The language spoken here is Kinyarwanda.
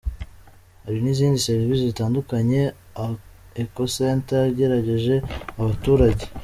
Hari n’izindi serivisi zitandukanye Ekocenter yegereje abaturage.